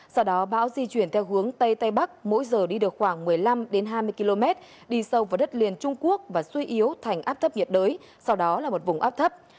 sau đó bão di chuyển theo hướng tây tây bắc mỗi giờ đi được khoảng một mươi năm hai mươi km đi sâu vào đất liền trung quốc và suy yếu thành áp thấp nhiệt đới sau đó là một vùng áp thấp